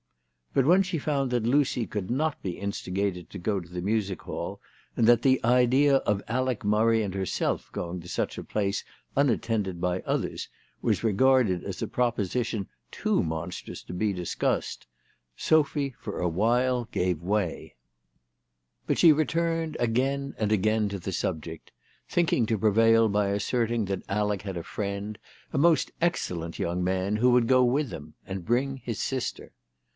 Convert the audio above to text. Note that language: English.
But when she found that Lucy could not be instigated to go to the Music Hall, and that the idea of Alec Murray and herself going to such a place unattended by others was regarded as a proposition too monstrous to be discussed, Sophy for awhile gave way. T 274 THE TELEGRAPH GIRL. But she returned again and again to the subject, think ing to prevail by asserting that Alec had a friend, a most excellent young man, who would go with them, and bring his sister.